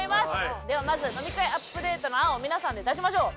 ではまず飲み会アップデートの案を皆さんで出しましょう。